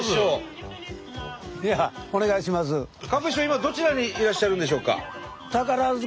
今どちらにいらっしゃるんでしょうか？